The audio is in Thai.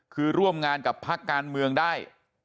คือร่วมงานกับพักการเมืองได้